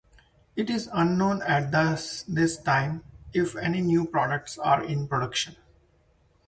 It is unknown at this time if any new products are in production.